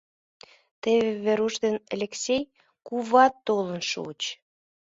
Теве Веруш ден Элексей куват толын шуыч.